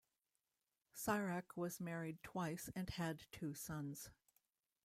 Sarek was married twice, and had two sons.